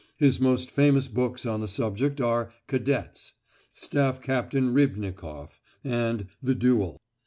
His most famous books on the subject are "Cadets," "Staff Captain Ribnikof" and "The Duel."